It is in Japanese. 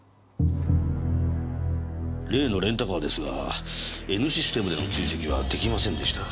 例のレンタカーですがＮシステムでの追跡はできませんでした。